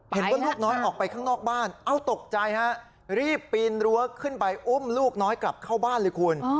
ลูกน้อยออกไปข้างนอกบ้านเอ้าตกใจฮะรีบปีนรั้วขึ้นไปอุ้มลูกน้อยกลับเข้าบ้านเลยคุณ